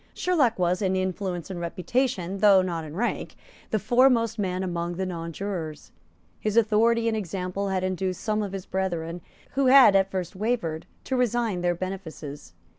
Sherlock was, in influence and reputation, though not in rank, the foremost man among the nonjurors. His authority and example had induced some of his brethren, who had at first wavered, to resign their benefices.